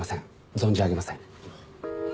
存じ上げません。